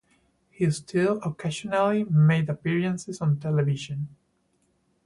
He still occasionally made appearances on television.